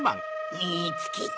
みつけた。